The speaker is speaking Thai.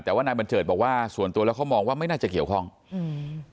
แต่ว่านายบัญเจิดบอกว่าส่วนตัวแล้วเขามองว่าไม่น่าจะเกี่ยวข้องอืม